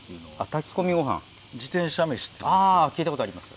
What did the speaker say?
聞いたことあります。